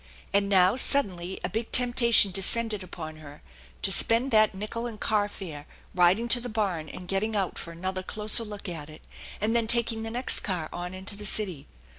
And now suddenly a big temptation descended upon her, to spend that nickel in car fare, riding to the barn and getting out for another closer look at it, and then taking the next car on into the city.